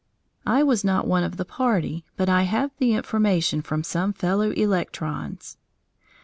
I was not one of the party, but I have the information from some fellow electrons.